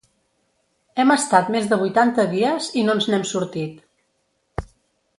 Hem estat més de vuitanta dies i no ens n’hem sortit.